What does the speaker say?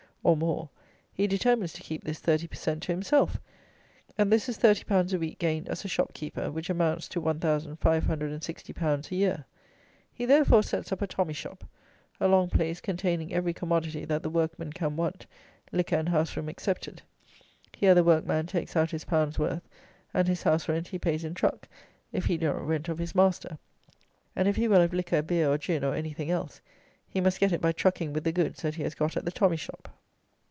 _, or more, he determines to keep this thirty per cent. to himself; and this is thirty pounds a week gained as a shop keeper, which amounts to 1,560_l._ a year. He, therefore, sets up a tommy shop: a long place containing every commodity that the workman can want, liquor and house room excepted. Here the workman takes out his pound's worth; and his house rent he pays in truck, if he do not rent of his master; and if he will have liquor, beer, or gin, or anything else, he must get it by trucking with the goods that he has got at the tommy shop.